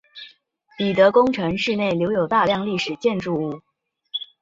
彼得宫城市内的留有大量历史建筑物。